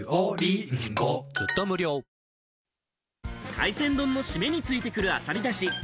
海鮮丼の締めについてくるアサリ出汁。